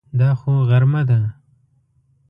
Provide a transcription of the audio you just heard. دا خو غرمه ده!